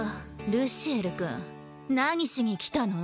ルシエル君何しに来たの？